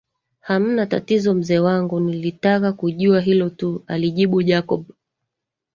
Hamna tatizo mzee wangu nilitaka kujua hilo tu alijibu Jacob